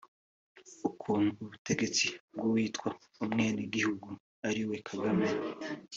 ukuntu ubutegetsi bw’uwitwa umwenegihugu ariwe Kagame